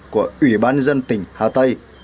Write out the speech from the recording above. của ủy ban dân tỉnh hà tây